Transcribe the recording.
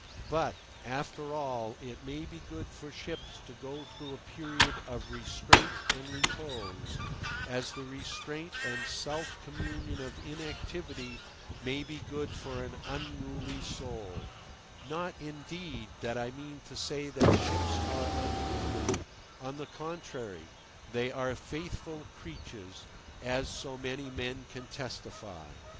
But, after all, it may be good for ships to go through a period of restraint and repose, as the restraint and self communion of inactivity may be good for an unruly soul—not, indeed, that I mean to say that ships are unruly; on the contrary, they are faithful creatures, as so many men can testify.